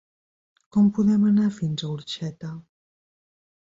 Com podem anar fins a Orxeta?